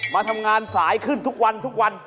มาทำงานสายขึ้นทุกวัน